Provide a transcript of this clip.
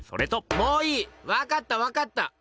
もういいわかったわかった！